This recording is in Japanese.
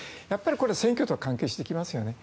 選挙とは関係してきますよね。